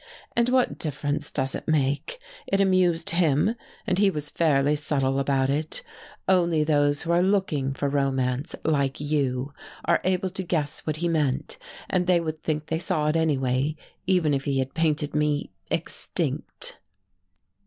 "And what difference does it make? It amused him, and he was fairly subtle about it. Only those who are looking for romance, like you, are able to guess what he meant, and they would think they saw it anyway, even if he had painted me extinct."